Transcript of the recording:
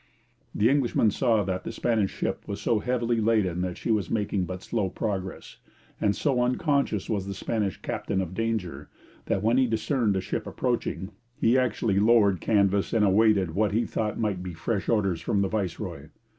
The Englishmen saw that the Spanish ship was so heavily laden that she was making but slow progress; and so unconscious was the Spanish captain of danger, that when he discerned a ship approaching he actually lowered canvas and awaited what he thought might be fresh orders from the viceroy.